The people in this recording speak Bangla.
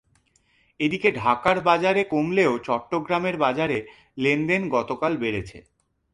এদিকে ঢাকার বাজারে কমলেও চট্টগ্রামের বাজারে লেনদেন গতকাল বেড়েছে।